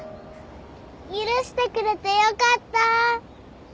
許してくれてよかった。